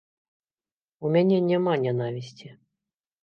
У мяне няма нянавісці.